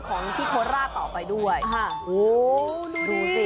ของที่โทร่าต่อไปด้วยโอ้โหดูสิ